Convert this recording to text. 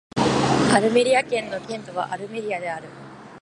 アルメリア県の県都はアルメリアである